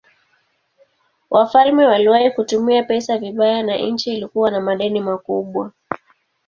Wafalme waliwahi kutumia pesa vibaya na nchi ilikuwa na madeni makubwa.